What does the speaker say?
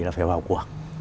là phải vào cuộc